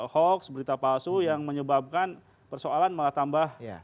hoax berita palsu yang menyebabkan persoalan malah tambah